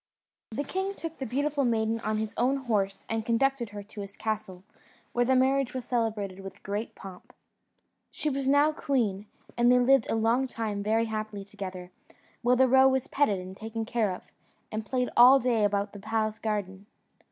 The king took the beautiful maiden on his own horse and conducted her to his castle, where the marriage was celebrated with great pomp. She was now queen, and they lived a long time very happily together; while the roe was petted and taken care of, and played all day about the palace garden.